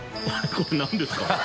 これ何ですか？